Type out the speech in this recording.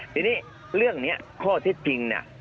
ทีนี้เรื่องนี้ข้อเท็จจริงเนี่ย